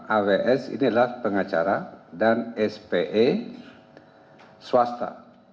aws inilah pengacara dan spe swasta